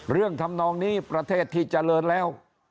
ทำนองนี้ประเทศที่เจริญแล้ว